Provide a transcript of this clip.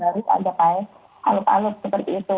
baru ada kais alut alut seperti itu